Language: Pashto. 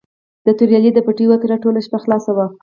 د توریالي د پټي وتره ټوله شپه خلاصه وه.